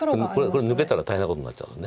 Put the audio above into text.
これ抜けたら大変なことになっちゃうから。